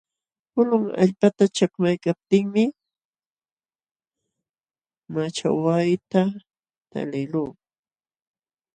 Pulun allpata chakmaykaptiimi machawayta taliqluu.